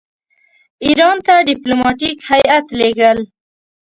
ایران ته ډیپلوماټیک هیات لېږل.